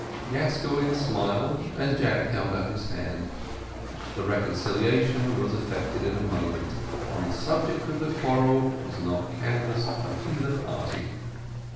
Gascoigne smiled, and Jack held out his hand; the reconciliation was effected in a moment, and the subject of quarrel was not canvassed by either party.